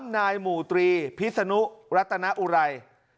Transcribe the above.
นายหมู่ตรีพิศนุรัตนอุไร